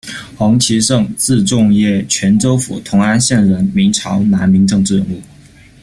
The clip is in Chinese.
黄其晟，字仲晔，泉州府同安县人，明朝、南明政治人物。